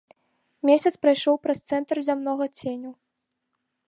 Месяц прайшоў праз цэнтр зямнога ценю.